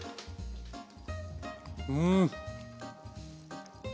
うん。